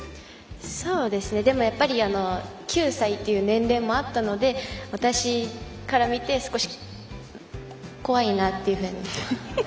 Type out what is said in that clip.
そうですね、でも９歳っていう年齢もあったので私から見て少し怖いなっていうふうに。